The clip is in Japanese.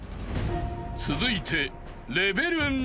［続いて］